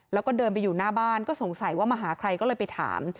แล้วก็เดินไปอยู่หน้าบ้านก็สงสัยว่ามาหาใครก็เลยไปถาม